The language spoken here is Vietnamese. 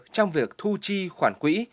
trong việc thu chi khoản quỹ